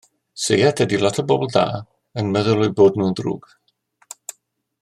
Seiat ydi lot o bobl dda yn meddwl eu bod nhw yn ddrwg.